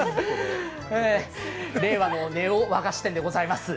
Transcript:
令和のネオ和菓子店でございます。